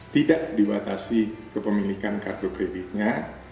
tidak dibatasi kepemilikan kartu kreditnya